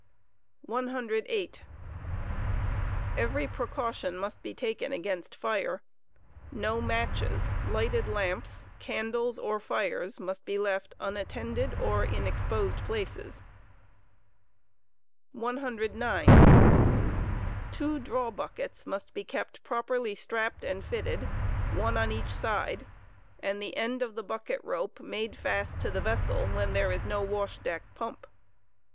103. Every precaution must be taken again&t fire; no matches, lighted lamps, candles or fires must be left unattended or in exposed places. 109. Two draw buckets must be kept properly strapped and fitted (one on each side), and the end of the bucket rope made fast to the vessel when there is no wash* deck pump.